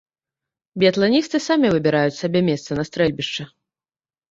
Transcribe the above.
Біятланісты самі выбіраюць сабе месца на стрэльбішча.